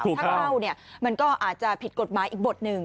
ถ้าเข้าเนี่ยมันก็อาจจะผิดกฎหมายอีกบทหนึ่ง